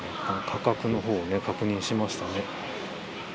価格の方を確認しましたね。